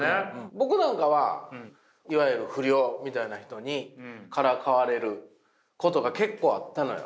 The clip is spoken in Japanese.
僕なんかはいわゆる不良みたいな人にからかわれることが結構あったのよ。